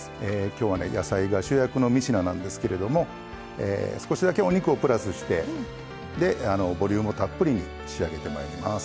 今日はね野菜が主役の３品なんですけれども少しだけお肉をプラスしてでボリュームたっぷりに仕上げてまいります。